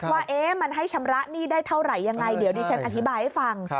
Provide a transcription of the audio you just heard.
ว่ามันให้ชำระหนี้ได้เท่าไหร่ยังไงเดี๋ยวดิฉันอธิบายให้ฟัง